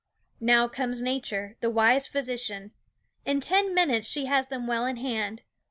Now comes Nature, the wise physician. In ten minutes she has them well in hand.